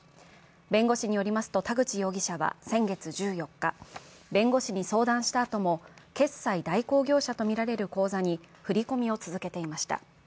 弁護士によりますと田口容疑者は先月１４日、弁護士に相談したあとも決済代行業者とみられる口座に振込を続けていました。